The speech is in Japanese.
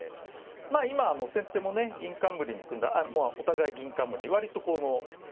まあ今先手もね銀冠に組んだお互い銀冠割と上部を厚くして